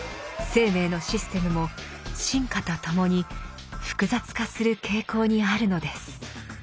生命のシステムも進化とともに複雑化する傾向にあるのです。